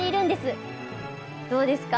どうですか？